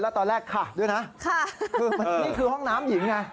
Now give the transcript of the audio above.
แล้วตอนแรกค่าด้วยครา